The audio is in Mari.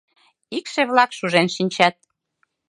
Икшыве-влак шужен шинчат.